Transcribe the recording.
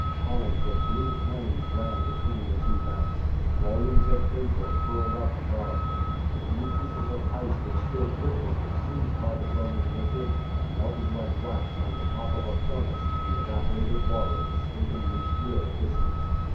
Columns of blue flames ran between the two banks. Volumes of vapor curled up above. The few pieces of ice which still drifted were seized by the burning liquid, and melted like wax on the top of a furnace, the evaporated water escaping in shrill hisses.